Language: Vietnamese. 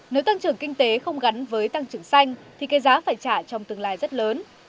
nếu tăng trưởng kinh tế không gắn với tăng trưởng xanh thì cái giá phải trả trong tương lai rất lớn